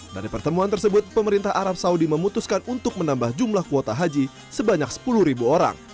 dari pertemuan tersebut pemerintah arab saudi memutuskan untuk menambah jumlah kuota haji sebanyak sepuluh orang